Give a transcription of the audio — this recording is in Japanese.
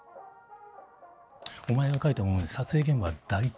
お前が書いたもので撮影現場は大混乱してるぞ？